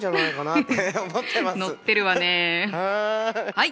はい！